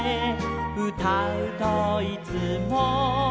「うたうといつも」